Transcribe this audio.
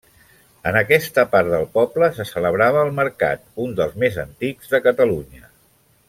En aquesta part del poble se celebrava el mercat, un dels més antics de Catalunya.